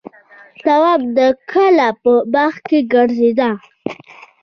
تواب د کلا په باغ کې ګرځېده.